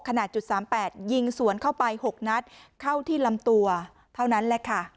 ขนาดจุด๓๘ยิงสวนเข้าไป๖นัดเข้าที่ลำตัวเท่านั้นแหละค่ะ